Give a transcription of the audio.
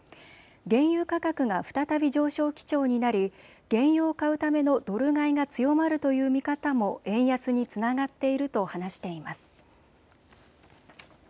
原油価格が再び上昇基調になり原油を買うためのドル買いが強まるという見方も円安につながっていると話しています。